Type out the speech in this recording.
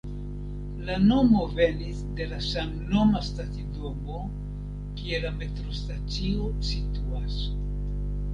La nomo venis de la samnoma stacidomo, kie la metrostacio situas.